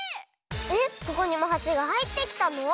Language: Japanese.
えっここにもハチがはいってきたの？